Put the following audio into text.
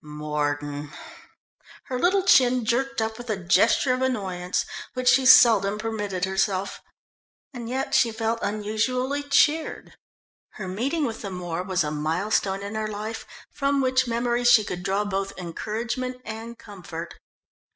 Mordon! Her little chin jerked up with a gesture of annoyance, which she seldom permitted herself. And yet she felt unusually cheered. Her meeting with the Moor was a milestone in her life from which memory she could draw both encouragement and comfort.